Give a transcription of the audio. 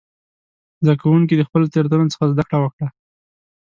زده کوونکي د خپلو تېروتنو څخه زده کړه وکړه.